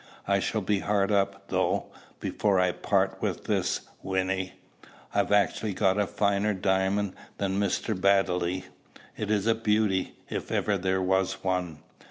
"I shall be hard up, though, before I part with this. Wynnie, I've actually got a finer diamond than Mr. Baddeley! It is a beauty, if ever there was one!"